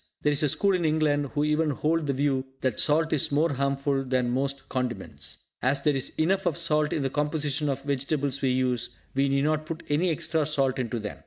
There is a school in England who even hold the view that salt is more harmful than most condiments. As there is enough of salt in the composition of the vegetables we use, we need not put any extra salt into them.